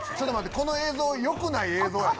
この映像よくない映像やな。